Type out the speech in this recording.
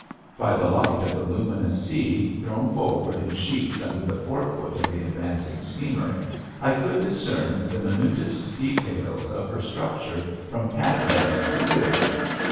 By the light of the luminous sea thrown forward in sheets under the forefoot of the advancing steamer I could discern the minutest details of her structure from cat head to bridge.